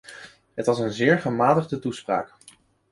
Het was een zeer gematigde toespraak.